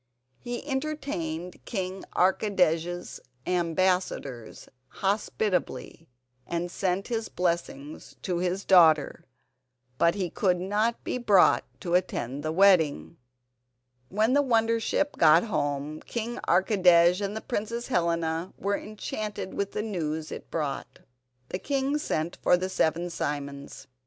He entertained King Archidej's ambassadors hospitably, and sent his blessing to his daughter, but he could not be brought to attend the wedding. When the wonder ship got home King Archidej and Princess Helena were enchanted with the news it brought. The king sent for the seven Simons.